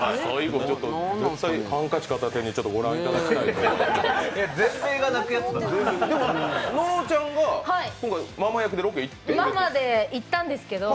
ハンカチ片手に御覧いただきたいと思いますけれども。